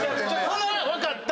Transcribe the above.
分かった。